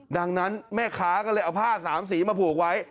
ดังนั้นแม่ค้าก็เลยเอาผ้าสามสีมาผูกไว้